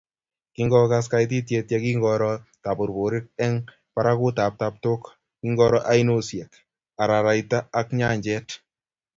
Kingogas kaititiet ye kingoro taburburik eng barakutap taptok, kingoro oinosiek, araraita ak nyanjet